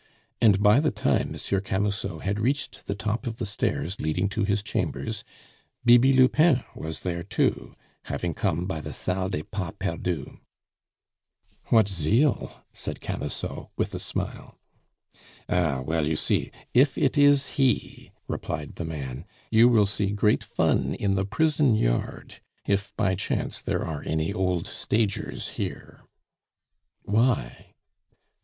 And by the time Monsieur Camusot had reached the top of the stairs leading to his chambers, Bibi Lupin was there too, having come by the Salle des Pas Perdus. "What zeal!" said Camusot, with a smile. "Ah, well, you see if it is he," replied the man, "you will see great fun in the prison yard if by chance there are any old stagers here." "Why?"